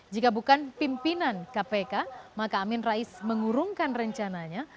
jika bukan pimpinan kpk maka amin rais mengurungkan rencananya